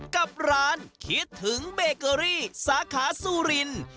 กับร้านคิดถึงเบเกอรี่สาขาซูริน